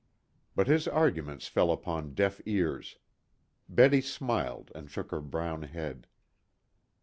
But his arguments fell upon deaf ears. Betty smiled and shook her brown head.